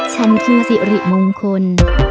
ฉันคือสิริมงคล